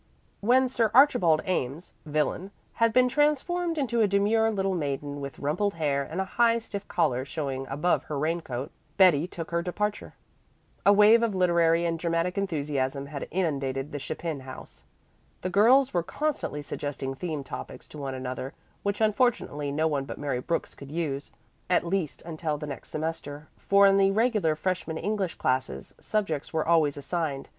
When Sir Archibald Ames, villain, had been transformed into a demure little maiden with rumpled hair and a high, stiff collar showing above her rain coat, Betty took her departure. A wave of literary and dramatic enthusiasm had inundated the Chapin house. The girls were constantly suggesting theme topics to one another which unfortunately no one but Mary Brooks could use, at least until the next semester; for in the regular freshman English classes, subjects were always assigned.